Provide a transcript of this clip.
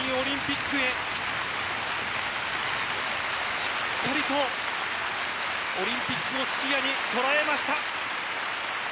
しっかりとオリンピックを視野に捉えました。